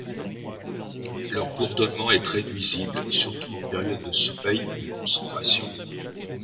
Leur bourdonnement est très nuisible, surtout en période de sommeil ou de concentration.